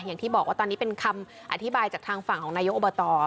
อย่างที่บอกว่าตอนนี้เป็นคำอธิบายจากทางฝั่งของนายกอบต